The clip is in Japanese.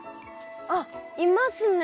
あっいますね。